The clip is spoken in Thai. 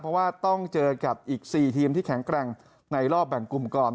เพราะว่าต้องเจอกับอีก๔ทีมที่แข็งแกร่งในรอบแบ่งกลุ่มก่อน